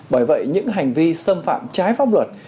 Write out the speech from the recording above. bởi vậy những hành vi xâm phạm trái pháp luật